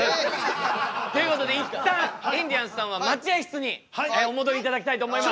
ということで一旦インディアンスさんは待合室にお戻りいただきたいと思います。